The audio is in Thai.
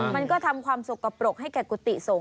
มันก็ทำความสกปรกให้แก่กุฏิสงฆ